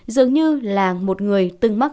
dường như là một người từng mắc